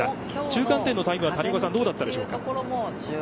中間点のタイムは、谷岡さんどうだったでしょうか。